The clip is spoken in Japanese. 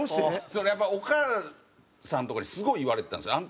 それやっぱお母さんとかにすごい言われてたんですよ。